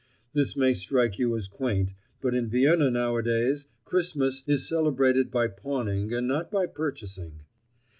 This may strike you as quaint, but in Vienna nowadays Christmas is celebrated by pawning and not by purchasing.